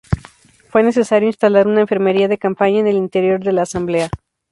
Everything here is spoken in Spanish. Fue necesario instalar una enfermería de campaña, en el interior de la Asamblea.